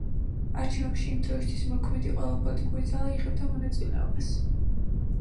არჩევნებში იმ დროისთვის მოქმედი ყველა პოლიტიკური ძალა იღებდა მონაწილეობას.